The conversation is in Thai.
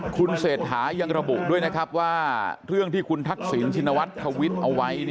คุณเศรษฐายังระบุด้วยนะครับว่าเรื่องที่คุณทักษิณชินวัฒน์ทวิตเอาไว้